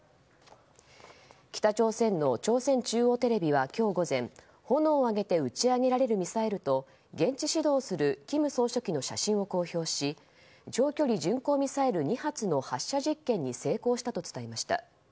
北朝鮮の朝鮮中央テレビは今日午前炎を上げて打ち上げられるミサイルと現地指導する金総書記の写真を公開し長距離巡航ミサイル２発の発射実験に成功したと伝えました。